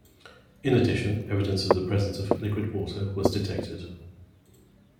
In addition, evidence of the presence of liquid water was detected.